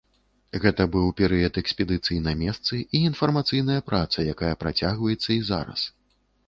Гэта быў перыяд экспедыцый на месцы і інфармацыйная праца, якая працягваецца і зараз.